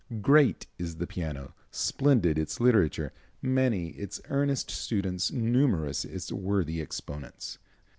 Great is the piano, splendid its literature, many its earnest students, numerous its worthy exponents.